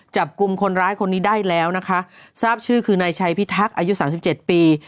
จับกลุ่มคนร้ายคนนี้ได้แล้วนะคะทราบชื่อคือนายชัยพิทักษ์อายุสามสิบเจ็ดปี